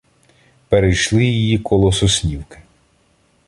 Перейшли її коло Соснівки.